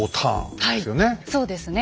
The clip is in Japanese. そうですね。